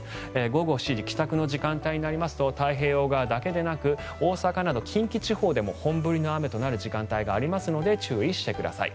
午後７時帰宅の時間帯になりますと太平洋側だけではなく大阪など近畿地方でも本降りとなる時間帯があるので注意してください。